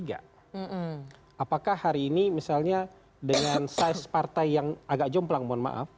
apakah hari ini misalnya dengan size partai yang agak jomplang mohon maaf